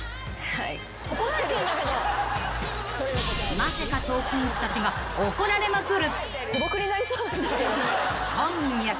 なぜかトークィーンズたちが怒られまくる！